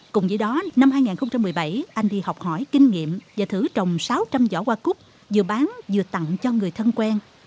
cùng với đó năm hai nghìn một mươi bảy anh đi học hỏi kinh nghiệm và thử trồng sáu trăm linh giỏ hoa cúc vừa bán vừa tặng cho người thân quen